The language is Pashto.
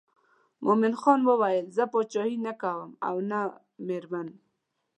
مومن خان ویل زه پاچهي نه کوم او نه مېرمن.